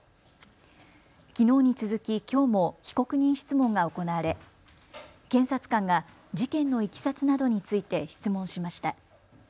きのうに続き、きょうも被告人質問が行われ検察官が事件のいきさつなどについて質問しました。